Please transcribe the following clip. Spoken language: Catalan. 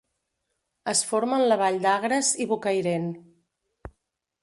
Es forma en la vall d'Agres i Bocairent.